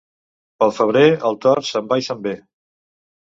Pel febrer, el tord se'n va i se'n ve.